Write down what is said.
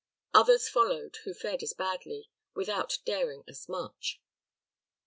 Others followed, who fared as badly, without daring as much.